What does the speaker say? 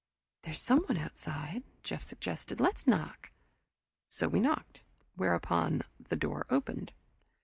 "There's someone outside," Jeff suggested. "Let's knock." So we knocked, whereupon the door opened.